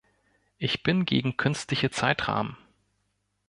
Ich bin gegen künstliche Zeitrahmen.